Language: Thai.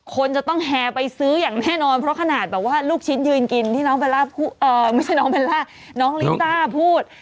คนจะต้องแห่ไปซื้ออย่างแน่นอนเพราะขนาดแบบว่าลูกชิ้นยืนกินที่น้องเบลล่าไม่ใช่น้องเบลล่าน้องลิซ่าพูด